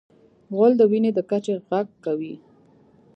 غول د وینې د کچې غږ کوي.